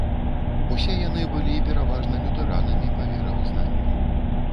Усе яны былі пераважна лютэранамі па веравызнанню.